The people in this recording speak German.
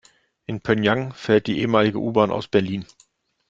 In Pjöngjang fährt die ehemalige U-Bahn aus Berlin.